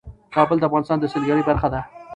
کابل د افغانستان د سیلګرۍ برخه ده.